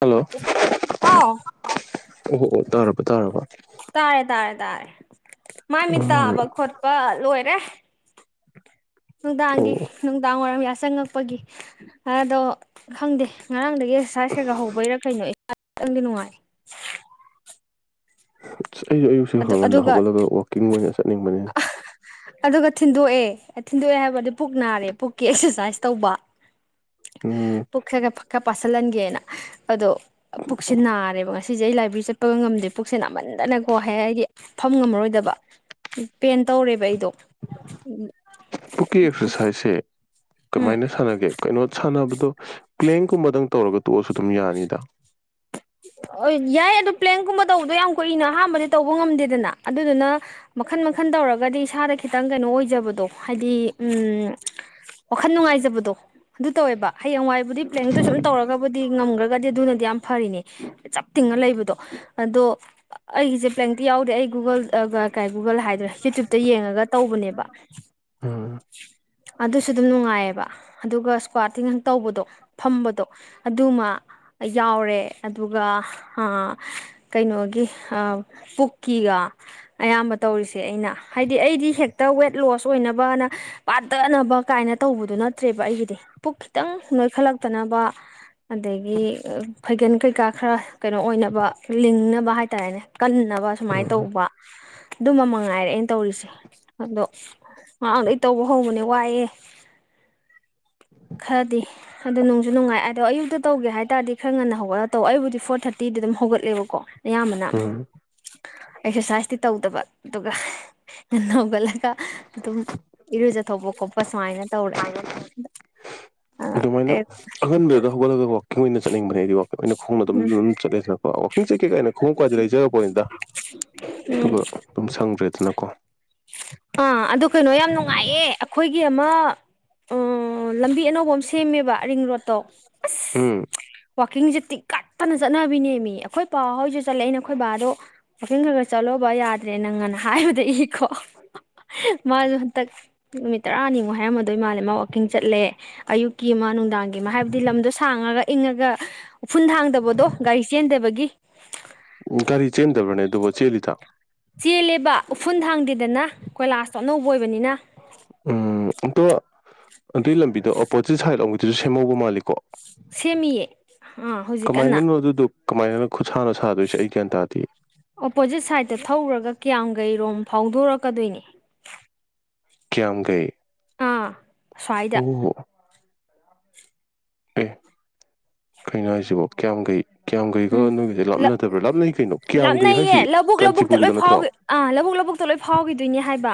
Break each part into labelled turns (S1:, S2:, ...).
S1: hello
S2: ꯍꯥꯎ
S1: ꯑꯣ ꯑꯣ ꯇꯥꯔꯕ ꯇꯥꯔꯕ
S2: ꯇꯥꯔꯦ ꯇꯥꯔꯦ ꯇꯥꯔꯦ ꯃꯥꯏ ꯃꯤꯠ
S1: ꯎꯝ
S2: ꯇꯥꯕ ꯈꯣꯠꯄ ꯂꯣꯏꯔꯦ ꯅꯨꯡꯗꯥꯡꯒꯤ
S1: ꯑꯣ
S2: ꯅꯨꯡꯗꯥꯡ ꯋꯥꯏꯔꯝ ꯌꯥ ꯆꯪꯉꯛꯄꯒꯤ ꯑꯗꯣ ꯈꯪꯗꯦ ꯉꯔꯥꯡ ꯗꯩ ꯑꯦꯛꯁꯔꯁꯥꯏꯁ ꯈꯔ ꯒ ꯍꯧꯕꯩꯔꯥ ꯀꯩꯅꯣ ꯏꯁꯥ ꯈꯤꯇꯪꯗꯤ ꯅꯨꯡꯉꯥꯏ
S1: ꯑꯁ ꯑꯩꯖꯨ ꯑꯌꯨꯛꯁꯤ
S2: ꯑꯗꯨ
S1: ꯈꯔ ꯉꯟꯅ
S2: ꯑꯗꯨꯒ
S1: ꯍꯧꯒꯠꯂꯒ ꯋꯥꯛꯀꯤꯡ ꯑꯣꯏꯅ ꯆꯠꯅꯤꯡꯕꯅ‌ꯦ
S2: ꯑꯗꯨꯒ ꯊꯤꯟꯗꯣꯛꯑꯦ ꯊꯤꯟꯗꯣꯛꯑꯦ ꯍꯥꯏꯕꯗꯤ ꯄꯨꯛ ꯅꯥꯔꯦ ꯄꯨꯛꯀꯤ ꯑꯦꯛꯁꯔꯁꯥꯏꯁ ꯇꯧꯕ
S1: ꯎꯝ
S2: ꯄꯨꯛ ꯈꯔ ꯒ ꯐꯈꯛꯀ ꯄꯥꯁꯜꯍꯟꯒꯦꯅ ꯑꯗꯣ ꯄꯨꯛꯁꯦ ꯅꯥꯔꯦꯕ ꯉꯁꯤꯁꯦ ꯑꯩꯥ ꯂꯥꯏꯕ‌ꯦꯔꯤ ꯆꯠꯄꯒ ꯉꯝꯗꯦ ꯄꯨꯛꯁꯦ ꯅꯥꯃꯟꯗꯅꯀꯣ ꯍꯥꯏ ꯍꯥꯏꯗꯤ ꯐꯝ ꯉꯝꯃꯔꯣꯏꯗꯕ ꯄꯦꯟ ꯇꯧꯔꯦꯕ ꯑꯩꯗꯣ [unintelligible]
S1: ꯄꯨꯛꯀꯤ ꯑꯦꯛꯁꯔꯁꯥꯏꯖꯁꯦ
S2: ꯎꯝ
S1: ꯀꯃꯥꯏꯅ ꯁꯥꯟꯅꯒꯦ ꯀꯩꯅꯣ ꯁꯥꯟꯅꯕꯗꯣ ꯄꯂꯦꯡꯀꯨꯝꯕꯗꯪ ꯇꯧꯔꯒ ꯇꯣꯛꯑꯁꯨ ꯑꯗꯨꯝ ꯌꯥꯅꯤꯗ
S2: ꯑ ꯌꯥꯏ ꯑꯗꯨ ꯄꯂꯦꯡꯀꯨꯝꯕ ꯇꯧꯕꯗꯣ ꯌꯥꯝ ꯀꯨꯏꯅ ꯑꯍꯥꯟꯕꯗ ꯇꯧꯕ ꯉꯝꯗꯦꯗꯅ ꯑꯗꯨꯗꯨꯅ ꯃꯈꯟ ꯃꯈꯟ ꯇꯧꯔꯒꯗꯤ ꯏꯁꯥꯗ ꯈꯤꯇꯪ ꯀꯩꯅꯣ ꯑꯣꯏꯖꯕꯗꯣ ꯍꯥꯏꯗꯤ ꯎꯝ ꯋꯥꯈꯟ ꯅꯨꯡꯉꯥꯏꯖꯕꯗꯣ ꯑꯗꯨ ꯇꯧꯋꯦꯕ ꯍꯌꯦꯡꯋꯥꯏꯕꯨꯗꯤ ꯄꯂꯦꯡꯗꯨ ꯁꯨꯝ ꯇꯧꯔꯒ ꯕꯨꯗꯤ ꯉꯝꯒ꯭ꯔꯒꯗꯤ ꯑꯗꯨꯅꯗꯤ ꯌꯥꯝ ꯐꯔꯤꯅꯦ ꯆꯞ ꯇꯤꯡꯉ ꯂꯩꯕꯗꯣ ꯑꯗꯣ ꯑꯩꯒꯤꯖ‌ꯦ ꯄ꯭ꯂꯦꯡꯇꯤ ꯌꯥꯎꯗꯦ ꯑꯩ ꯒꯨꯒꯜ ꯀꯩ ꯒꯨꯒꯜ ꯍꯥꯏꯗꯣꯔꯦ ꯌꯨꯇ꯭ꯌꯨꯕꯇꯩ ꯌꯦꯡꯉꯒ ꯇꯧꯕꯅꯦꯕ [inaudible]
S1: ꯎꯝ
S2: ꯑꯗꯨꯁꯨ ꯗꯨꯝ ꯅꯨꯡꯉꯥꯏꯌꯦꯕ ꯑꯗꯨꯒ ꯏꯁꯀ꯭ꯋꯥꯇꯤꯡ ꯑꯟ ꯇꯧꯕꯗꯣ ꯐꯝꯕꯗꯣ ꯑꯗꯨ ꯃꯥ ꯌꯥꯎꯔꯦ ꯑꯗꯨꯒ ꯑꯥ ꯀꯩꯅꯣꯒꯤ ꯑꯥ ꯄꯨꯛꯀꯤ ꯒꯥ ꯑꯌꯥꯝꯕ ꯇꯧꯔꯤꯁꯦ ꯑꯩꯅ ꯍꯥꯏꯗꯤ ꯑꯩꯗꯤ ꯍꯦꯛꯇ ꯋꯦꯠ ꯂꯣꯁ ꯑꯣꯏꯅꯕꯅ ꯄꯥꯗꯅꯕ ꯀꯥꯏꯅ ꯇꯧꯕꯗ‌ꯣ ꯅꯠꯇ꯭ꯔꯦꯕ ꯑꯩꯒꯤꯗꯤ ꯄꯨꯛ ꯈꯤꯇꯪ ꯅꯣꯏꯈꯠ ꯂꯛꯇꯅꯕ ꯑꯗꯒꯤ ꯐꯩꯒꯟ ꯀꯩ ꯀꯥ ꯈꯔ ꯀꯩꯅꯣ ꯑꯣꯏꯅꯕ ꯂꯤꯡꯅꯕ ꯍꯥꯏꯇꯥꯔꯦꯅꯦ ꯀꯟꯅꯕ ꯁꯨꯃꯥꯏꯅ
S1: ꯎꯝ
S2: ꯇꯧꯕ ꯗꯨꯝꯕꯥ ꯃꯉꯥꯏꯔꯦ ꯑꯩꯅ ꯇꯧꯔꯤꯁꯦ ꯑꯗꯣ ꯉꯔꯥꯡꯗꯩ ꯇꯧꯕ ꯍꯧꯕꯅꯦ ꯋꯥꯏꯋ‌ꯦ ꯈꯔꯗꯤ ꯑꯗꯣ ꯅꯨꯡꯖꯨ ꯅꯨꯡꯉꯥꯏ ꯑꯗꯣ ꯑꯌꯨꯛꯇ ꯇꯧꯒꯦ ꯍꯥꯏꯇꯥꯥꯔꯗꯤ ꯈꯔ ꯉꯟꯅ ꯍꯧꯒꯠꯂ ꯇꯧ ꯑꯩꯕꯨꯗꯤ ꯐꯣꯔ ꯊꯥꯔꯇꯤꯗ ꯑꯗꯨꯝ ꯍꯧꯒꯠꯂꯦꯕꯀꯣ ꯑꯌꯥꯝꯕꯅ
S1: ꯎꯝ
S2: ꯑꯦꯛꯁꯔꯁꯥꯏꯁꯇꯤ ꯇꯧꯗꯕ ꯑꯗꯨꯒ ꯍꯒꯠꯂꯒ ꯑꯗꯨꯝ ꯏꯔꯨꯖꯊꯣꯛꯄ ꯈꯣꯠꯄ ꯁꯨꯃꯥꯏꯅ ꯇꯧꯔꯦ ꯎꯝ
S1: ꯑꯗꯨꯃꯥꯏꯅ ꯑꯍꯟꯕꯗꯨꯗ ꯍꯧꯒꯠꯂꯒ ꯋꯥꯋꯀꯤꯡ ꯑꯣꯏꯅ ꯆꯠꯅꯤꯡꯕꯅꯦꯗꯤꯕꯣ ꯑꯩꯈꯣꯏ ꯈꯣꯡꯅ ꯑꯗꯨꯝ
S2: ꯎꯝ
S1: ꯑꯗꯨꯝ ꯆꯠꯂꯦꯁꯤ ꯋꯥꯈꯤꯡ ꯆꯩ ꯀꯩꯀꯥꯏꯅ ꯈꯣꯡꯎ ꯀꯥꯏꯏꯗ ꯂꯩꯖꯔꯛꯄꯣꯅꯤꯗ
S2: ꯎꯝ
S1: ꯑꯗꯨꯒ ꯑꯗꯨꯝ ꯁꯪꯗ꯭ꯔꯦꯗꯅꯀꯣ
S2: ꯑꯥ ꯑꯗꯨ ꯀꯩꯅꯣ ꯌꯥꯝ ꯅꯨꯡꯉꯥꯏꯌꯦꯦ ꯑꯩꯈꯣꯏꯒꯤ ꯑꯃ ꯂꯝꯕꯤ ꯑꯅꯧꯕ ꯑꯃ ꯁꯦꯝꯃꯦꯕ ꯔꯤꯡ ꯔꯣꯗꯠꯇꯣ
S1: ꯎꯝ
S2: ꯋꯥꯋꯥꯛꯀꯤꯡꯁꯦ ꯇꯤꯛꯀꯠꯇꯅ ꯆꯠꯅꯕꯤꯅꯦ ꯃꯤ ꯑꯩꯈꯣꯏ ꯄꯥꯎꯍꯣꯏꯁꯨ ꯆꯠꯂꯛꯏ ꯅ ꯑꯩꯈꯣꯏ ꯕꯥꯗꯣ ꯋꯥꯈꯡ ꯈ ꯈꯔ ꯆꯠꯂꯣ ꯕ ꯌꯥꯗ꯭ꯔꯦ ꯅꯪ ꯉꯅ ꯍꯥꯏꯕꯗ ꯏꯀꯣ ꯃꯥꯁꯨ ꯍꯟꯇꯛ ꯅꯨꯃꯤꯠ ꯇꯔꯥꯅꯤꯃꯨꯛ ꯍꯥꯏꯔꯝꯃꯗꯣꯏ ꯏ ꯃꯥꯜꯂꯦ ꯃꯥ ꯋꯥꯋꯀꯤꯡ ꯆꯠꯂꯦ ꯑꯌꯨꯛꯀꯤ ꯑꯃ ꯅꯨꯡꯗꯥꯡꯒꯤ ꯀꯃꯣ ꯍꯥꯏꯕꯗꯤ ꯂꯝꯗꯣ ꯁꯥꯡꯉꯒ ꯏꯪꯉꯒ ꯎꯐꯨꯟ ꯊꯥꯡꯗꯕꯗꯣ ꯒꯥꯔꯤ ꯆꯦꯟꯗꯕꯒꯤ
S1: ꯎꯝ ꯒꯥꯔꯤ ꯆꯦꯟꯗꯕꯅꯦ ꯑꯗꯨꯕꯨ ꯆꯦꯜꯂꯤꯗ
S2: ꯆꯦꯜꯂꯦꯕ ꯎꯐꯨꯟ ꯊꯥꯡꯗꯦꯗꯅ ꯀꯣꯏꯂꯥꯁꯇꯣ ꯑꯅꯧꯕ ꯑꯣꯏꯕꯅꯤꯅ
S1: ꯎꯝ ꯑꯇꯣ ꯑꯗꯨꯏ ꯂꯝꯕꯤꯗꯣ ꯑꯣꯄꯣꯖꯤꯠ ꯁꯥꯏꯠ ꯑꯒꯤꯗꯨꯁꯨ ꯁꯦꯝꯍꯧꯕ ꯃꯥꯜꯂꯤꯀꯣ
S2: ꯁꯦꯝꯃꯤꯌꯦ ꯑꯥ ꯍꯧꯖꯤꯛ ꯀꯟꯅ
S1: ꯀꯃꯥꯏꯅꯅꯣ ꯑꯗꯨꯗꯣ ꯀꯃꯥꯏꯅ ꯈꯨꯠꯁꯥꯅꯣ ꯁꯥꯗꯣꯏꯁꯦ ꯑꯩ ꯒ꯭ꯌꯥꯟ ꯇꯥꯗꯦ
S2: ꯑꯣꯄꯣꯖꯤꯠ ꯁꯥꯏꯗꯠꯇ ꯊꯧꯔꯒ ꯀ꯭ꯌꯥꯝꯡꯒꯩꯔꯣꯝ ꯐꯥꯎꯗꯣꯔꯛꯀꯗꯣꯏꯅꯤ
S1: ꯀꯌꯥꯝ ꯀꯩ
S2: ꯑꯥ ꯁ꯭ꯋꯥꯏꯗ
S1: ꯑꯦ ꯀꯩꯅꯣ ꯍꯥꯏꯁꯤꯕꯧ ꯀꯌꯥꯝꯈꯩ ꯀꯌꯥꯝꯒꯩꯒ
S2: ꯎꯝ
S1: ꯅꯣꯏꯒꯤꯁꯦ ꯂꯥꯞꯅꯗꯕ꯭ꯔꯥ ꯂꯥꯅꯩ ꯀꯩꯅꯣ ꯀꯌꯥꯝꯒꯩ
S2: ꯂꯥꯞꯅꯩꯌꯦ
S1: ꯍꯥꯏꯁꯤ
S2: ꯂꯧꯕꯨꯛ ꯂꯧꯕꯨꯛꯇ ꯂꯣꯏ
S1: ꯀꯥꯟꯆꯤꯄꯨꯔꯒꯤꯗꯣ ꯅꯠꯇ꯭ꯔꯣ
S2: ꯐꯥꯎꯈꯤ ꯑꯥ ꯂꯧꯕꯨꯛ ꯂꯧꯕꯨꯛꯇ ꯂꯣꯏ ꯐꯥꯎꯈꯤꯗꯣꯏꯅꯦ ꯍꯥꯏꯕ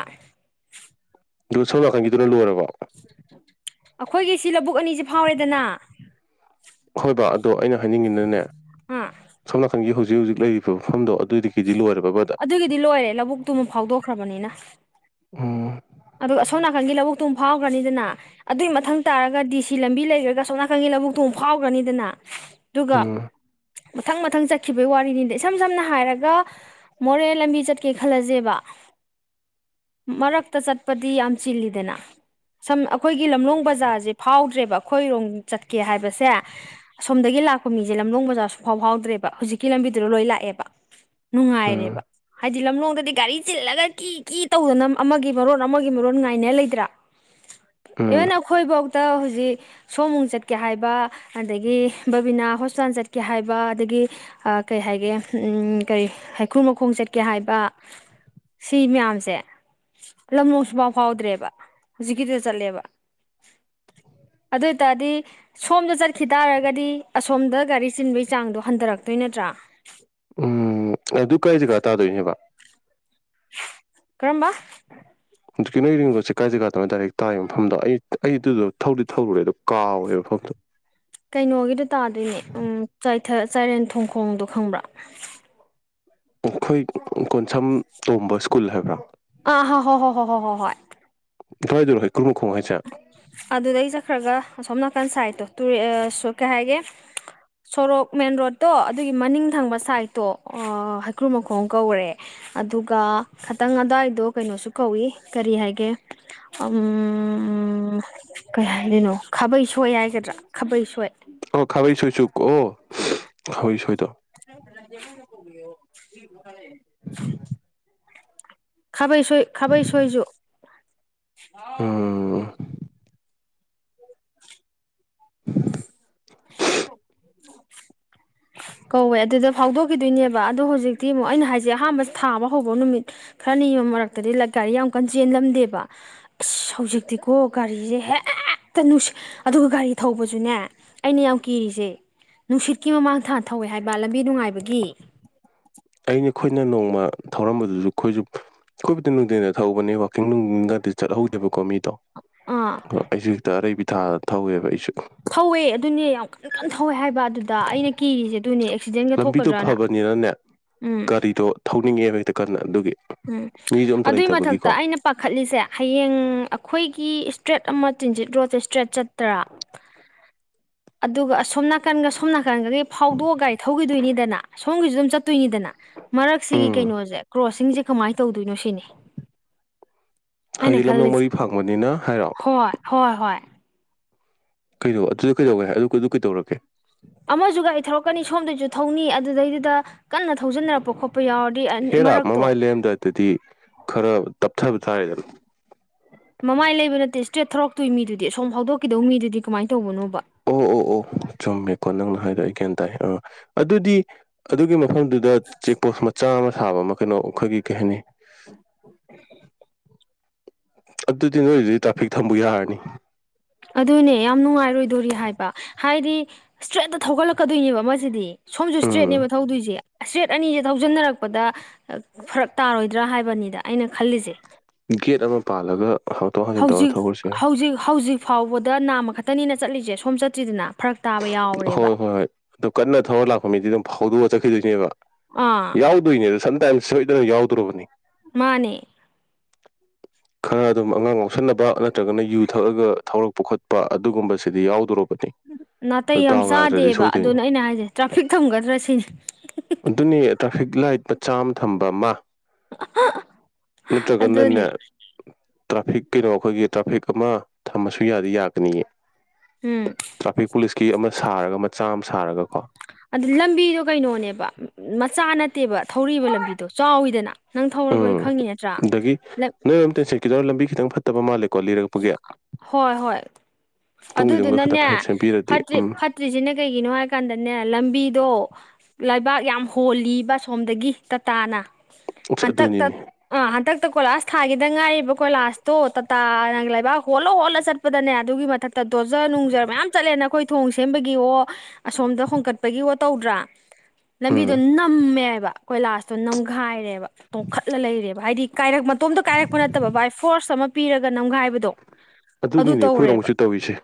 S1: ꯑꯗꯨ ꯁꯣꯝ ꯅꯥꯀꯟꯒꯤꯗꯨꯅ ꯂꯣꯏꯔꯕ
S2: ꯑꯩꯈꯣꯏꯒꯤ ꯁꯤ ꯂꯧꯕꯨꯛ ꯑꯅꯤꯁꯤ
S1: ꯍꯣꯏ ꯕꯥ ꯑꯣ ꯑꯩꯅ ꯍꯥꯏꯅꯤꯡꯉꯤꯅꯅꯦ
S2: ꯑꯥ
S1: ꯁꯣꯝ ꯅꯥꯀꯟꯒꯤ ꯍꯧꯖꯤꯛ ꯍꯧꯖꯤꯛ ꯂꯩꯔꯤꯕ ꯃꯐꯝꯗꯣ ꯑꯗꯨꯏꯗꯒꯤꯗꯤ ꯂꯣꯏꯔꯕꯕ
S2: ꯑꯗꯨꯒꯤꯗꯤ ꯂꯣꯏꯔꯦ ꯂꯧꯕꯨꯛꯇꯨꯃ ꯐꯥꯎꯗꯣꯛꯈ꯭ꯔꯕꯅꯤꯅ
S1: ꯎꯝ
S2: ꯑ ꯑꯁꯣꯝ ꯅꯥꯀꯟꯒꯤ ꯂꯧꯕꯨꯛꯇꯨꯝ ꯐꯥꯎꯈ꯭ꯔꯅꯤꯗꯅ ꯑꯗꯨꯏ ꯃꯊꯪ ꯇꯥꯔꯒ ꯗꯤ ꯁꯤ ꯂꯝꯕꯤ ꯂꯩꯈ꯭ꯔꯒ ꯁꯣꯝꯅꯥꯀꯟꯒꯤ ꯂꯧꯕꯨꯛꯇꯣꯡ ꯐꯥꯎꯈ꯭ꯔꯅꯤꯗꯅ ꯑꯗꯨꯒ
S1: ꯎꯝ
S2: ꯃꯊꯪ ꯃꯊꯪ ꯆꯠꯈꯤꯕꯒꯤ ꯋꯥꯔꯤꯅꯤꯗ ꯏꯁꯝ ꯁꯝꯅ ꯍꯥꯏꯔꯒ ꯃꯣꯔꯦ ꯂꯝꯕꯤ ꯆꯠꯀꯦ ꯈꯜꯂꯁꯦꯕ ꯃꯔꯛꯇ ꯆꯠ ꯑꯄꯗꯤ ꯌꯥꯝ ꯆꯤꯜꯂꯤꯗꯅ ꯁꯝ ꯑꯩꯈꯣꯏꯒꯤ ꯂꯝꯂꯣꯡ ꯕꯖꯥꯔꯁꯦ ꯐꯥꯎꯗ꯭ꯔꯦꯕ ꯑꯩꯈꯣꯏꯔꯣꯝ ꯆꯠꯀꯦ ꯍꯥꯏꯕꯁꯦ ꯑꯁꯣꯝꯗꯒꯤ ꯂꯥꯛꯄ ꯃꯤꯁꯦ ꯂꯝꯗꯣꯡ ꯕꯖꯥꯔꯁꯨ ꯐꯥꯎ ꯐꯥꯎꯗ꯭ꯔꯦꯕ ꯍꯧꯖꯤꯛꯀꯤ ꯂꯝꯕꯤꯗꯨꯗ ꯂꯣꯏ ꯂꯥꯛꯑꯦꯕ
S1: ꯎꯝ
S2: ꯅꯨꯡꯉꯥꯏꯔꯦꯕ ꯍꯥꯏꯗꯤ ꯂꯝꯂꯣꯡꯗꯗꯤ ꯒꯥꯔꯤ ꯆꯤꯜꯂꯒ ꯀꯤ ꯀꯤ ꯇꯧꯗꯅ ꯑꯃꯒꯤ ꯃꯔꯣ ꯑꯃꯒꯤ ꯃꯔꯣꯟ ꯉꯥꯏꯅ ꯂꯩꯇ꯭ꯔꯥ
S1: ꯎꯝ
S2: ꯏꯚꯟ ꯑꯩꯈꯣꯏꯐꯥꯎꯗ ꯍꯧꯖꯤꯛ ꯁꯣꯃꯨꯡ ꯆꯠꯀꯦ ꯍꯥꯏꯕ ꯑꯗꯒꯤ ꯕꯕꯤꯅꯥ ꯍꯣꯁꯄꯤꯇꯥꯜ ꯆꯠꯀꯦ ꯍꯥꯏꯕ ꯑꯗꯒꯤ ꯀꯩ ꯍꯥꯏꯒꯦ ꯀꯔꯤ ꯍꯩꯈ꯭ꯔꯨ ꯃꯈꯣꯡ ꯆꯠꯀꯦ ꯍꯥꯏꯕ ꯁꯤ ꯃꯌꯥꯝꯁꯦ ꯂꯝꯂꯣꯛꯁꯨ ꯄꯥꯎ ꯐꯥꯎꯗ꯭ꯔꯦꯕ ꯍꯧꯖꯤꯛꯀꯤꯗ ꯆꯠꯂꯦꯕ ꯑꯗꯨ ꯑꯣꯏꯇꯥꯔꯗꯤ ꯁꯣꯝꯗ ꯆꯠꯈꯤ ꯇꯥꯔꯒꯗꯤ ꯑꯁꯣꯝꯗ ꯒꯥꯔꯤ ꯆꯤꯟꯕꯒꯤ ꯆꯥꯡꯗꯣ ꯍꯟꯊꯔꯛꯇꯣꯏ ꯅꯠꯇ꯭ꯔꯥ
S1: ꯎꯝ ꯑꯗꯨ ꯀꯥꯏ ꯖꯒꯥ ꯇꯥꯗꯣꯏꯅꯦꯕ
S2: ꯀꯔꯝꯕ
S1: ꯍꯧꯖꯤꯛꯀꯤ ꯅꯣꯏ ꯔꯤꯡꯔꯣꯠꯁꯦ ꯀꯥꯏ ꯖꯒꯥꯗꯅꯣ ꯗꯥꯏꯔꯦꯛ ꯇꯥꯏꯔꯤꯕ ꯃꯐꯝꯗꯣ ꯑꯩ ꯑꯩ ꯑꯗꯨꯗꯣ ꯊꯧꯗꯤ ꯊꯧꯔꯨꯔꯦ ꯑꯗꯣ ꯀꯥꯎꯔꯦꯕ ꯃꯐꯝꯗꯣ [unintelligible]
S2: ꯀꯩꯅꯣꯒꯤꯗꯣ ꯇꯥꯗꯣꯏꯅꯦ ꯎꯝ ꯆꯥꯏꯊ ꯆꯥꯏꯔꯦꯟ ꯊꯣꯡꯈꯣꯡꯗꯣ ꯈꯪꯕ꯭ꯔꯥ
S1: ꯑꯩꯈꯣꯏ ꯀꯣꯟꯁꯝ ꯇꯣꯝꯕ ꯁ꯭ꯀꯨꯜ ꯍꯥꯏꯕ꯭ꯔꯥ
S2: ꯑꯥ ꯍ ꯍꯣ ꯍꯣ ꯍꯣ ꯍꯣ ꯍꯣ ꯍꯣꯏ
S1: ꯀꯥꯏꯗꯅꯣ ꯍꯩꯀ꯭ꯔꯨ ꯃꯈꯣꯡ ꯍꯥꯏꯁꯦ
S2: ꯑꯗꯨꯗꯩ ꯆꯠꯈ꯭ꯔꯒ ꯑꯁꯣꯝ ꯅꯥꯀꯟ ꯁꯥꯏꯠꯇꯣ ꯇꯨꯔꯦ ꯑꯁꯣ ꯀꯩ ꯍꯥꯏꯒꯦ ꯁꯣꯔꯣꯛ ꯃꯦꯟ ꯔꯣꯠꯇꯣ ꯑꯗꯨꯒꯤ ꯃꯅꯤꯡ ꯊꯪꯕ ꯁꯥꯏꯠꯇꯣ ꯑ ꯍꯩꯀ꯭ꯔꯨ ꯃꯈꯣꯡ ꯀꯧꯔꯦ ꯑꯗꯨꯒ ꯈꯇꯪ ꯑꯗ꯭ꯋꯥꯏꯗꯣ ꯀꯩꯅꯣꯁꯨ ꯀꯧꯏ ꯀꯔꯤ ꯍꯥꯏꯒꯦ ꯎꯝ ꯎꯝ ꯀꯩ ꯍꯥꯏꯗꯣꯏꯅꯣ ꯈꯥꯕꯩ ꯁꯣꯏ ꯍꯥꯏꯒꯗ꯭ꯔꯥ ꯈꯥꯕꯩ ꯁꯣꯏ
S1: ꯑ ꯈꯥꯕꯩꯁꯣꯏꯁꯨ ꯀꯣꯑꯣ
S2: [unintelligible] [inaudible] ꯈꯕꯩ ꯁꯣꯏ ꯈꯕꯩ ꯁꯣꯏꯁꯨ
S1: ꯎꯝ [unintelligible]
S2: [inaudible] ꯀꯧꯋꯦ ꯑꯗꯨꯗ ꯐꯥꯎꯗꯣꯛꯈꯤꯗꯣꯏꯅꯦꯕ ꯑꯗꯣ ꯍꯧꯖꯤꯛꯇꯤ ꯑꯃꯨꯛ ꯑꯩꯅ ꯍꯥꯏꯁꯦ ꯑꯍꯥꯟꯕ ꯊꯥꯕ ꯍꯧꯕ ꯅꯨꯃꯤꯠ ꯈꯔ ꯅꯤꯕ ꯃꯔꯛꯇꯗꯤ ꯂꯠ ꯒꯥꯔꯤ ꯌꯥꯝ ꯀꯟ ꯆꯦꯜꯂꯝꯗꯦꯕ ꯑꯁ ꯍꯧꯖꯤꯛꯇꯤꯀꯣ ꯒꯥꯔꯤꯁꯦ ꯍꯦꯛ ꯍꯦꯛꯇ ꯅꯨꯡꯁꯤ ꯑꯗꯨꯒ ꯒꯥꯔꯤ ꯊꯧꯕꯁꯨꯅꯦ ꯑꯩꯅ ꯌꯥꯝ ꯀꯤꯔꯤꯁꯦ ꯅꯨꯡꯁꯤꯠ ꯀꯤ ꯃꯃꯥꯡ ꯊꯥ ꯊꯧꯋꯦ ꯍꯥꯏꯕ ꯂꯝꯕꯤ ꯅꯨꯡꯉꯥꯏꯕꯒꯤ
S1: ꯑꯩꯅꯈꯣꯏꯅ ꯅꯣꯡꯃ ꯊꯧꯔꯝꯕꯗꯨꯁꯨ ꯑꯩꯈꯣꯏꯁꯨ ꯑꯈꯣꯏꯕꯨꯗꯤ ꯅꯨꯡꯊꯤꯟꯗ ꯊꯧꯕꯅꯦ ꯋꯥꯛꯀꯤꯡ ꯅꯨꯡꯒꯗꯤ ꯆꯠꯍꯧꯗꯦꯕꯀꯣ ꯃꯤꯗꯣ
S2: ꯑꯥ
S1: ꯑꯩꯁꯨ ꯍꯦꯛꯇ ꯑꯔꯩꯕꯤ ꯊꯥ ꯊꯧꯋꯦꯕ ꯑꯩꯁꯨ
S2: ꯊꯧꯋꯦ ꯑꯗꯨꯅꯦ ꯌꯥꯝ ꯀꯟ ꯀꯟꯅ ꯊꯧꯋꯦ ꯍꯥꯏꯕ ꯑꯗꯨ ꯗꯥ ꯑꯩꯅ ꯀꯤꯔꯤꯁꯦ ꯑꯗꯨꯅꯦ ꯑꯦꯛꯁꯤꯗꯦꯟꯒ
S1: ꯂꯝꯕꯤꯗꯣ
S2: ꯊꯣꯛꯀꯗ꯭ꯔꯅ
S1: ꯐꯕꯅꯤꯅꯅꯦ
S2: ꯎꯝ
S1: ꯒꯥꯔꯤꯗꯣ ꯊꯧꯅꯤꯡꯉꯦꯕ ꯍꯦꯛꯇ ꯀꯟꯅ ꯑꯗꯨꯒꯤ
S2: ꯎꯝ
S1: ꯃꯤꯁꯨ ꯑꯝꯇ
S2: ꯑꯗꯨꯏ
S1: ꯂꯩꯇꯕꯒꯤꯀꯣ
S2: ꯃꯊꯛꯇ ꯑꯩꯅ ꯄꯥꯈꯠꯂꯤꯁꯦ ꯍꯌꯦꯡ ꯑꯩꯈꯣꯏꯒꯤ ꯏꯁꯇ꯭ꯔꯦꯠ ꯑꯃ ꯆꯤꯟꯖꯤꯠ ꯔꯣꯗꯁꯦ ꯏꯁꯇ꯭ꯔꯦꯠ ꯆꯠꯇ꯭ꯔꯥ
S1: [unintelligible]
S2: ꯑꯗꯨꯒ ꯑꯁꯣꯝ ꯅꯥꯀꯟꯒ ꯁꯣꯝ ꯅꯥꯀꯟꯒꯗꯤ ꯐꯥꯎꯗꯣꯛꯑ ꯒꯥꯔꯤ ꯊꯧꯈꯤꯗꯣꯏꯅꯤꯗꯅꯥ ꯁꯣꯝꯒꯤꯁꯨ ꯑꯗꯨꯝ ꯆꯠꯇꯣꯏꯅꯤꯗꯅꯥ ꯃꯔꯛꯁꯤꯒꯤ
S1: ꯎꯝ
S2: ꯀꯩꯅꯣꯁꯦ ꯀ꯭ꯔꯣꯁꯤꯡꯁꯦ ꯀꯃꯥꯏ ꯇꯧꯗꯣꯏꯅꯣ ꯁꯤꯅꯤ ꯑꯩꯅ
S1: ꯍꯥꯏꯗꯤ ꯂꯝꯂꯣꯡ
S2: ꯈꯜꯂꯤꯁꯦ
S1: ꯃꯔꯤ ꯐꯥꯡꯕꯅꯤꯅ ꯍꯥꯏꯔꯣ
S2: ꯍꯣꯏ ꯍꯣꯏ ꯍꯣꯏ
S1: ꯀꯩꯅꯣ ꯑꯗꯨꯗ ꯀꯩꯗꯧꯒꯦ ꯍꯥꯏ ꯑꯗꯨ ꯑꯗꯨ ꯀꯩꯗꯧꯔꯒꯦ
S2: ꯑꯃꯁꯨ ꯒꯥꯔꯤ ꯊꯧꯔꯛꯀꯅꯤ ꯁꯣꯝꯗꯩꯁꯨ ꯊꯧꯅꯤ ꯑꯗꯨꯗꯩꯗꯨꯗ ꯀꯟꯅ ꯊꯧꯖꯤꯟꯅꯔꯛꯄ ꯈꯣꯠꯄ ꯌꯥꯎꯔꯗꯤ ꯑꯅꯤ ꯃꯔꯛꯇꯣ
S1: ꯗꯗꯤ ꯈꯔ ꯇꯞꯊꯕ ꯇꯥꯔꯦꯗꯅ
S2: ꯃꯃꯥꯏ ꯂꯩꯕ ꯅꯠꯇꯦ ꯏꯁꯇ꯭ꯔꯦꯠ ꯊꯧꯔꯛꯇꯣꯏ ꯃꯤꯗꯨꯗꯤ ꯁꯣꯝ ꯐꯥꯎꯗꯣꯛꯈꯤꯗꯧ ꯃꯤꯗꯨꯗꯤ ꯀꯃꯥꯏꯟ ꯇꯧꯕꯅꯣꯕ
S1: ꯑꯣ ꯑꯣ ꯑꯣ ꯆꯨꯝꯃꯦꯀꯣ ꯅꯪꯅ ꯍꯥꯏꯗꯣ ꯑꯩ ꯒ꯭ꯌꯥꯟ ꯇꯥꯏ ꯑꯥ ꯑꯗꯨꯗꯤ ꯑꯗꯨꯒꯤ ꯃꯐꯝꯗꯨꯗ ꯆꯦꯛꯄꯣꯁ ꯃꯆꯥ ꯑꯃ ꯁꯥꯕ ꯑꯃ ꯀꯩꯅꯣ ꯑꯩꯈꯣꯏꯒꯤ ꯀꯩ ꯍꯥꯏꯅꯤ
S2: [unintelligible]
S1: ꯑꯗꯨꯗꯤ ꯅꯣꯏꯗꯨꯗꯤ ꯇ꯭ꯔꯥꯐꯤꯛ ꯊꯝꯕꯨ ꯌꯥꯔꯅꯤ
S2: ꯑꯗꯨꯅꯦ ꯌꯥꯝ ꯅꯨꯡꯉꯥꯏꯔꯣꯏꯗꯣꯔꯤ ꯍꯥꯏꯕ ꯍꯥꯏꯗꯤ ꯏꯁꯇ꯭ꯔꯦꯠꯇ ꯊꯧꯒꯠꯂꯛꯀꯗꯣꯏꯅꯦꯕ ꯑꯃꯁꯤꯗꯤ ꯁꯣꯝꯁꯨ
S1: ꯎꯝ
S2: ꯏꯁꯇ꯭ꯔꯦꯠꯅꯦꯕ ꯊꯧꯗꯣꯏꯁꯦ ꯁꯇ꯭ꯔꯦꯠ ꯑꯅꯤꯁꯦ ꯊꯧꯖꯤꯟꯅꯔꯛꯄꯗ ꯐꯔꯛ ꯇꯥꯔꯣꯏꯗ꯭ꯔꯥ ꯍꯥꯏꯕꯅꯤꯗ ꯑꯩꯅ ꯈꯜꯂꯤꯁꯦ
S1: ꯒꯦꯠ ꯑꯃ ꯄꯥꯜꯂꯒ ꯍꯥꯡꯇꯣꯛ ꯍꯥꯡꯖꯤꯟ ꯇꯧꯔ
S2: ꯍꯧꯖꯤꯛ
S1: ꯊꯧꯔꯁꯨ ꯌꯥꯏ
S2: ꯍꯧꯖꯤꯛ ꯍꯧꯖꯤꯛ ꯐꯥꯎꯕꯗ ꯅꯥꯝꯃ ꯈꯛꯇꯅꯤꯅ ꯆꯠꯂꯤꯁꯦ ꯁꯣꯝ ꯆꯠꯇ꯭ꯔꯤꯗꯅ ꯐꯔꯛ ꯇꯥꯕ
S1: ꯍꯣꯏ
S2: ꯌꯥꯎꯔꯦꯕ
S1: ꯍꯣꯏ ꯍꯣꯏ ꯑꯗꯨ ꯀꯟꯅ ꯊꯧꯔ ꯂꯥꯛꯄ ꯃꯤꯗꯤ ꯑꯗꯨꯝ ꯐꯥꯎꯗꯣꯛꯑ ꯆꯠꯈꯤꯗꯣꯏꯅꯦꯕ
S2: ꯑꯥ
S1: ꯌꯥꯎꯗꯣꯏꯅꯦꯗ ꯁꯝꯇꯥꯏꯝ ꯁꯣꯏꯗꯅ ꯌꯥꯎꯗ꯭ꯔꯨꯕꯅꯦ
S2: ꯃꯥꯅꯦ
S1: [inaudible] ꯈꯔ ꯑꯗꯨꯝ ꯑꯉꯥꯡ ꯌꯥꯎꯁꯟꯅꯕ ꯅꯠꯇ꯭ꯔꯒꯅ ꯌꯨ ꯊꯛꯑꯒ ꯊꯧꯔꯛꯄ ꯈꯣꯠꯄ ꯑꯗꯨꯒꯨꯝꯕꯁꯤꯗꯤ ꯌꯥꯎꯗꯣꯔꯕꯅꯦ
S2: ꯅꯥꯇꯩ ꯌꯥꯝ ꯆꯥꯗꯦꯕ ꯑꯗꯨꯅ ꯑꯩꯅ ꯍꯥꯏꯁꯦ ꯇ꯭ꯔꯥꯐꯤꯛ ꯊꯝꯒꯗ꯭ꯔꯥ ꯁꯤꯅꯤ
S1: ꯑꯗꯨꯅꯦ ꯇ꯭ꯔꯥꯐꯤꯛ ꯂꯥꯏꯠ ꯃꯆꯥ ꯑꯃ ꯊꯝꯕ ꯑꯃ ꯅꯠꯇ꯭ꯔꯒꯅꯅꯦ
S2: ꯑꯗꯨꯅꯦ
S1: ꯇ꯭ꯔꯥꯐꯤꯛ ꯀꯩꯅꯣ ꯑꯩꯈꯣꯏꯒꯤ ꯇ꯭ꯔꯥꯐꯤꯛ ꯑꯃ ꯊꯝꯃꯁꯨ ꯌꯥꯗꯤ ꯌꯥꯒꯅꯤꯌꯦ
S2: ꯎꯝ
S1: ꯇ꯭ꯔꯥꯐꯤꯛ ꯄꯨꯂꯤꯁꯀꯤ ꯑꯃ ꯁꯥꯔꯒ ꯃꯆꯥ ꯑꯃ ꯁꯥꯔꯒꯀꯣ
S2: ꯑꯗꯨꯗꯤ ꯂꯝꯕꯤꯗꯣ ꯀꯩꯅꯣꯅꯦꯕ ꯃꯆꯥ ꯅꯠꯇꯦꯕ ꯊꯧꯔꯛꯢꯕ ꯂꯝꯕꯤꯗꯣ ꯆꯥꯎꯋꯤꯗꯅ ꯅꯪ ꯊꯧꯔꯕꯅꯤ
S1: ꯎꯝ
S2: ꯈꯪꯉꯤ ꯅꯠꯇ꯭ꯔꯥ
S1: ꯈꯤꯗꯣ ꯂꯝꯕꯤ ꯈꯤꯇꯪ ꯐꯠꯇꯕ ꯃꯥꯜꯂꯦꯀꯣ ꯂꯤꯔꯛꯄꯒꯤ
S2: ꯍꯣꯏ ꯍꯣꯏ
S1: ꯇꯨꯡꯒꯤ ꯗꯨꯒ ꯈꯛꯇꯪ ꯐꯖꯅ ꯁꯦꯝꯕꯤꯔꯗꯤ ꯎꯝ
S2: ꯆꯠꯇ꯭ꯔꯤꯁꯤꯅ ꯀꯩꯒꯤꯅꯣ ꯍꯥꯏꯀꯥꯟꯗꯅꯦ ꯂꯝꯕꯤꯗꯣ ꯂꯩꯕꯥꯛ ꯌꯥꯝ ꯍꯣꯜꯂꯤꯕ ꯑꯁꯣꯝꯗꯒꯤ ꯇꯥꯇꯥꯅ
S1: ꯑꯁ
S2: ꯍꯟꯗꯛꯇ
S1: ꯑꯗꯨꯅꯤꯅꯦ
S2: ꯑꯥ ꯍꯟꯗꯛꯇ ꯀꯣꯏꯂꯥꯁ ꯊꯥꯒꯤꯗ ꯉꯥꯏꯔꯤꯕ ꯀꯣꯏꯂꯥꯁꯇꯣ ꯇꯥꯇꯥꯅ ꯂꯩꯕꯥꯛ ꯍꯣꯜꯂ ꯍꯣꯜꯂ ꯆꯠꯄꯗꯅꯦ ꯑꯗꯨꯒꯤ ꯃꯊꯛꯇ ꯗꯣꯖꯔ ꯅꯨꯡꯖ ꯃꯌꯥꯝ ꯆꯠꯂꯦꯅ ꯑꯈꯣꯏ ꯊꯣꯡ ꯁꯦꯝꯕꯒꯤ ꯑꯣ ꯑꯁꯣꯝꯗ ꯍꯣꯡꯀꯠꯄꯒꯤ ꯋꯣ ꯇꯧꯗ꯭ꯔꯥ
S1: ꯎꯝ
S2: ꯂꯝꯕꯤꯗꯣ ꯅꯝꯃꯦꯕ ꯀꯣꯏꯂꯥꯁꯇꯣ ꯅꯝꯈꯥꯏꯔꯦꯕ ꯇꯣꯡꯈꯠꯂ ꯂꯩꯔꯦꯕ ꯍꯥꯏꯗꯤ ꯀꯥꯢꯔꯛ ꯃꯇꯣꯝꯇ ꯀꯥꯏꯔꯛꯄ ꯅꯠꯇꯕ ꯚꯥꯏ ꯐꯣꯔꯁ ꯑꯃ ꯄꯤꯔꯒ ꯅꯝꯈꯥꯏ ꯍꯥꯏꯕꯗꯣ ꯑꯗꯨ
S1: ꯑꯗꯨꯅꯤꯅꯦ
S2: ꯇꯧꯔꯦꯕ
S1: ꯑꯩꯈꯣꯏꯔꯣꯝꯒꯤꯁꯨ ꯇꯧꯔꯤꯁꯦ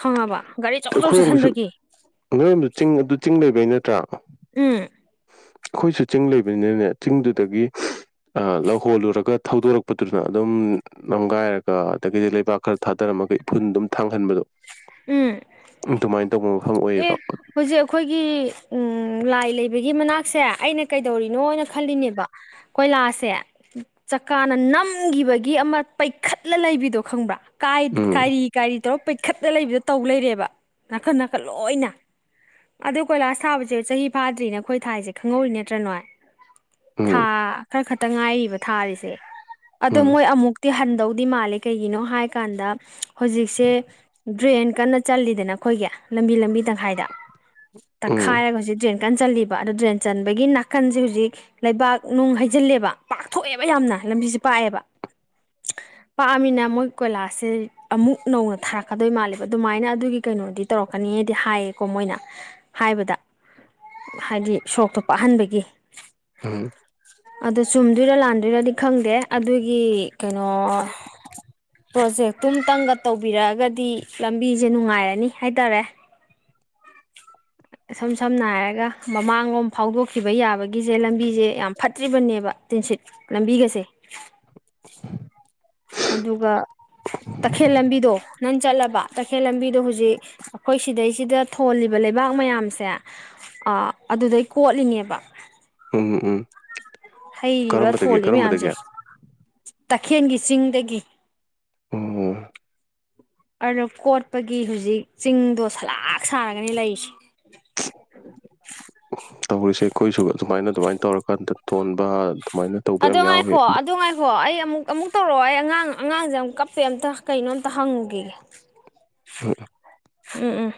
S2: ꯈꯪꯉꯕ ꯒꯥꯔꯤ ꯑꯆꯧ ꯑꯆꯧ
S1: ꯑꯩꯈꯣꯏꯔꯣꯝꯒꯤꯁꯨ
S2: ꯆꯠꯁꯟꯕꯒꯤ
S1: ꯅꯣꯏꯔꯣꯝꯁꯨ ꯆꯤꯡ ꯑꯗꯨ ꯆꯤꯡ ꯂꯩꯕꯩ ꯅꯠꯇ꯭ꯔꯥ
S2: ꯎꯝ
S1: ꯑꯩꯈꯣꯏꯁꯨ ꯆꯤꯡ ꯂꯩꯕꯅꯤꯅꯅꯦ ꯆꯤꯡꯗꯨꯗꯒꯤ ꯂꯧꯍꯣꯜꯂꯨꯔꯒ ꯊꯧꯗꯣꯔꯛꯄꯗꯨꯅ ꯑꯗꯨꯝ ꯅꯝꯒꯥꯏꯔꯒ ꯑꯗꯒꯤꯗꯤ ꯂꯩꯕꯥꯛ ꯈꯔ ꯊꯥꯗꯔꯝꯃꯒ ꯏꯐꯨꯟ ꯑꯗꯨꯝ ꯊꯥꯡꯍꯟꯕꯗꯣ
S2: [inaudible]
S1: ꯑꯗꯨꯃꯥꯏꯅ ꯇꯧꯕ ꯃꯐꯝ
S2: ꯑꯦ
S1: ꯑꯣꯏꯌꯦꯕ
S2: ꯍꯧꯖꯤꯛ ꯑꯩꯈꯣꯏꯒꯤ ꯎꯝ ꯂꯥꯏ ꯂꯩꯕꯒꯤ ꯃꯅꯥꯛꯁꯦ ꯑꯩꯅ ꯀꯩꯗꯧꯔꯤꯅꯣꯅ ꯈꯜꯂꯤꯅꯦꯕ ꯀꯣꯏꯂꯥꯁꯁꯦ ꯆꯀꯥꯅ ꯅꯝꯒꯤꯕꯒꯤ ꯑꯃ ꯄꯩꯈꯠꯂ ꯂꯩꯕꯤꯗꯣ ꯈꯪꯕ꯭ꯔꯥ
S1: ꯎꯝ
S2: ꯀꯥꯏꯔꯤ ꯀꯥꯏꯔꯤ ꯇꯧꯔꯒ ꯄꯩꯈꯠꯂ ꯂꯩꯕꯗ ꯇꯧ ꯂꯩꯔꯦꯕ ꯅꯥꯀꯟ ꯅꯥꯀꯟ ꯂꯣꯏꯅ ꯑꯗꯣ ꯀꯣꯏꯂꯥꯁ ꯊꯥꯕꯁꯦ ꯆꯍꯤ ꯐꯥꯗ꯭ꯔꯤꯅ ꯑꯩꯈꯣꯏ ꯊꯥꯏꯁꯦ ꯈꯪꯍꯧꯔꯤ ꯅꯠꯇ꯭ꯔ ꯅꯣꯏ ꯊꯥ
S1: ꯎꯝ
S2: ꯈꯔ ꯈꯛꯇ ꯉꯥꯏꯔꯤꯕ ꯊꯥꯔꯤꯁꯦ ꯑꯗꯣ
S1: ꯎꯝ
S2: ꯃꯣꯏ ꯑꯃꯨꯛ ꯇꯤ ꯍꯟꯗꯧꯗꯤ ꯃꯥꯜꯂꯦ ꯀꯩꯒꯤꯅꯣ ꯍꯥꯏ ꯀꯥꯟꯗ ꯍꯧꯖꯤꯛꯁꯦ ꯗ꯭ꯔꯦꯟ ꯀꯟꯅ ꯆꯥꯜꯂꯤꯗꯅ ꯑꯩꯈꯣꯏꯒꯤ ꯂꯝꯕꯤ ꯂꯝꯕꯤ ꯇꯪꯈꯥꯏꯗ
S1: ꯎꯝ
S2: ꯇꯥꯛꯈꯥꯏꯔꯒ ꯗ꯭ꯔꯦꯟ ꯀꯟ ꯆꯥꯜꯂꯤꯕ ꯑꯗꯣ ꯗ꯭ꯔꯦꯟ ꯆꯟꯕꯒꯤ ꯅꯥꯀꯟꯁꯦ ꯍꯧꯖꯤꯛ ꯂꯩꯕꯥꯛ ꯅꯨꯡ ꯍꯩꯖꯤꯜꯂꯦꯕ ꯄꯥꯛꯊꯣꯛꯑꯦꯕ ꯌꯥꯝꯅ ꯂꯝꯕꯤꯁꯦ ꯄꯥꯛꯑꯦꯕ ꯄꯥꯛꯑꯝꯃꯤꯅ ꯃꯣꯏ ꯀꯣꯏꯂꯥꯁꯦ ꯑꯃꯨꯛ ꯅꯧꯅ ꯊꯥꯔꯛ ꯂꯥꯛꯀꯗꯣꯏ ꯃꯥꯜꯂꯦꯕ ꯑꯗꯨꯃꯥꯏꯅ ꯑꯗꯨꯒꯤ ꯀꯩꯅꯣꯗꯤ ꯇꯧꯔꯛꯀꯅꯤꯗꯤ ꯍꯥꯏꯌꯦꯀꯣ ꯃꯣꯏꯅ ꯍꯥꯏꯕꯗ ꯍꯥꯏꯗꯤ ꯁꯣꯔꯣꯛꯇꯣ ꯄꯥꯛꯍꯟꯕꯒꯤ
S1: ꯑꯝ
S2: ꯑꯗꯣ ꯆꯨꯝꯗꯣꯏꯔꯥ ꯂꯥꯟꯗꯣꯏꯔꯗꯤ ꯈꯪꯗꯦ ꯑꯗꯨꯒꯤ ꯀꯩꯅꯣ ꯄ꯭ꯔꯣꯖꯦꯛꯇꯨ ꯑꯃꯇꯪꯒ ꯇꯧꯕꯤꯔꯛꯑꯒꯗꯤ ꯗꯤ ꯂꯝꯕꯤꯁꯦ ꯅꯨꯡꯉꯥꯏꯔꯅꯤ ꯍꯥꯏꯇꯥꯔꯦ
S1: [inaudible]
S2: ꯏꯁꯝ ꯁꯝꯅ ꯍꯥꯏꯔꯒ ꯃꯃꯥꯡꯂꯣꯝ ꯐꯥꯎꯗꯣꯛꯈꯤꯕ ꯌꯥꯕꯒꯤꯁꯦ ꯂꯝꯕꯤꯁꯦ ꯌꯥꯝ ꯐꯠꯇ꯭ꯔꯤꯕꯅꯦꯕ ꯇꯤꯟꯁꯤꯠ ꯂꯝꯕꯤꯒꯁꯦ ꯑꯗꯨꯒ ꯇꯥꯈꯦꯜ ꯂꯝꯕꯤꯗꯣ ꯅꯪ ꯆꯠꯂꯕ ꯇꯈꯦꯜꯂꯝꯕꯤꯗꯣ ꯍꯧꯖꯤꯛ ꯑꯩꯈꯣꯏ ꯁꯤꯗꯩꯁꯤꯗ ꯊꯣꯜꯂꯤꯕ ꯂꯩꯕꯥꯛ ꯃꯌꯥꯝꯁꯦ ꯑ ꯑꯗꯨꯗꯩ ꯀꯣꯠꯂꯤꯅꯦꯕ
S1: ꯎꯝ ꯎꯝ ꯎꯝ
S2: ꯍꯩꯔꯤꯕ
S1: ꯀꯔꯝꯕꯗꯒꯤ
S2: ꯊꯣꯜꯂꯤ ꯃꯌꯥꯝꯁꯦ
S1: ꯀꯔꯝꯕꯗꯒꯤ
S2: ꯇꯈꯦꯜꯒꯤ ꯆꯤꯡꯗꯒꯤ
S1: ꯑꯣ
S2: ꯑꯗꯣ ꯀꯣꯠꯄꯒꯤ ꯍꯧꯖꯤꯛ ꯆꯤꯡꯗꯣ ꯁꯂꯥꯥꯛ ꯁꯥꯔꯒꯅꯤ ꯂꯩꯔꯤꯁꯦ
S1: ꯍ [inaudible] ꯇꯧꯔꯤꯁꯦ ꯑꯩꯈꯣꯏꯁꯨ ꯑꯗꯨꯃꯥꯏꯅ ꯑꯗꯨꯃꯥꯏꯅ ꯇꯧꯔꯀꯥꯟꯗ ꯊꯣꯟꯕ ꯑꯗꯨꯃꯥꯏꯅ ꯇꯧꯕ
S2: ꯑꯗꯨ
S1: ꯌꯥꯝ ꯌꯥꯎꯋꯤ
S2: ꯉꯥꯏꯈꯣ
S1: ꯑꯗꯣ
S2: ꯑꯗꯨ ꯉꯥꯏꯈꯣ ꯑꯣ ꯑꯩ ꯑꯃꯨꯛ ꯑꯃꯨꯛ ꯇꯧꯔꯛꯑꯣ ꯑꯩ ꯑꯉꯥꯡ ꯑꯉꯥꯡꯁꯦ ꯑꯃꯨꯛ ꯀꯞꯄꯦ ꯑꯃꯝꯇ ꯀꯩꯅꯣ ꯑꯝꯇ ꯍꯪꯉꯨꯒꯤꯒꯦ
S1: ꯎꯝ
S2: ꯎꯝ ꯎꯝ